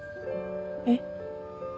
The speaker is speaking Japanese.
えっ。